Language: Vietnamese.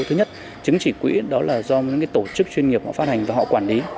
thứ nhất chứng chỉ quỹ đó là do những tổ chức chuyên nghiệp họ phát hành và họ quản lý